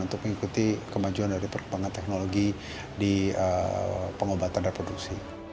untuk mengikuti kemajuan dari perkembangan teknologi di pengobatan reproduksi